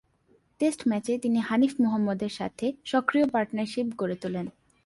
Test ম্যাচে, তিনি হানিফ মোহাম্মদের সাথে সক্রিয় পার্টনারশিপ গড়ে তোলেন।